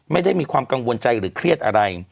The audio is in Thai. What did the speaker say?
ไม่ได้มีความกังวลใจหรือเครียดอะไร